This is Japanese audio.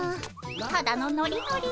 ただのノリノリ。